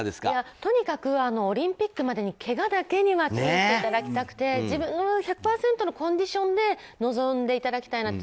とにかくオリンピックまでにけがだけには気を付けていただきたくて自分の１００％のコンディションで臨んでいただきたいなと。